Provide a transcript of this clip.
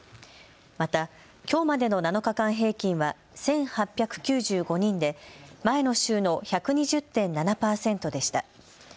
またきょうまでの７日間平均は１８９５人で前の週の１２０．７％でした。